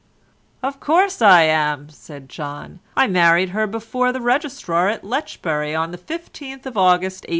"Of course I am," said John, "I married her before the registrar at Letchbury on the 15th of August 1851.